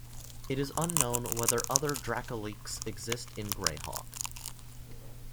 It is unknown whether other dracoliches exist in "Greyhawk".